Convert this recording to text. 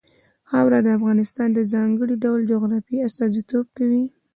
خاوره د افغانستان د ځانګړي ډول جغرافیه استازیتوب کوي.